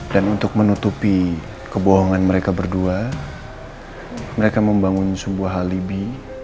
dan untuk menutupi kebohongan mereka berdua mereka membangun sebuah alibi